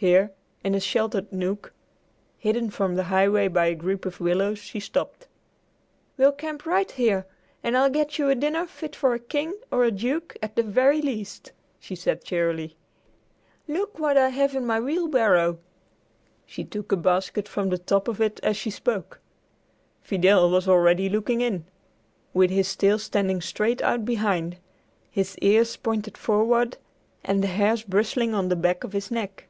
Here, in a sheltered nook, hidden from the highway by a group of willows, she stopped. "We'll camp right here, and I'll get you a dinner fit for a king or a duke, at the very least," she said cheerily. "Look what I have in my wheelbarrow!" She took a basket from the top of it as she spoke. Fidel was already looking in, with his tail standing straight out behind, his ears pointed forward, and the hairs bristling on the back of his neck.